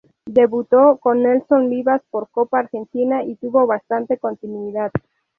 Debutó con Nelson Vivas por Copa Argentina, y tuvo bastante continuidad.